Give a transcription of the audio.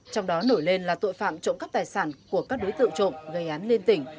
trong đó nổi lên là tội phạm trộm cắp tài sản của các đối tượng trộm gây án liên tỉnh